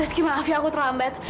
meski maaf ya aku terlambat